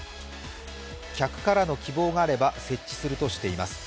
客からの希望があれば、設置するとしています。